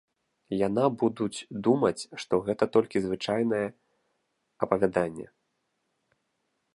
Яна будуць думаць, што гэта толькі звычайнае апавяданне.